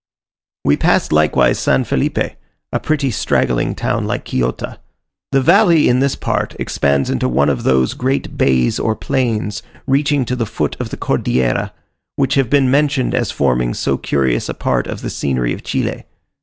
We passed likewise San Felipe, a pretty straggling town like Quillota. The valley in this part expands into one of those great bays or plains, reaching to the foot of the Cordillera, which have been mentioned as forming so curious a part of the scenery of Chile.